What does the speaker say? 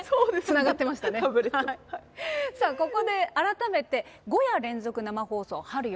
さあここで改めて「５夜連続生放送春よ、来い！」